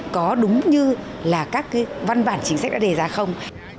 có đúng như là các văn bản chính sách đã đề ra không